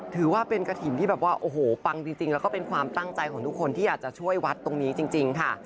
ถือว่าเป็นกระถิ่นที่แบบว่าโอ้โหปังจริงแล้วก็เป็นความตั้งใจของทุกคนที่อยากจะช่วยวัดตรงนี้จริงค่ะ